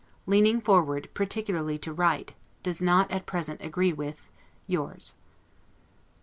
Leaning forward, particularly to write, does not at present agree with, Yours.